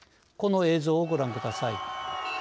この映像をご覧ください。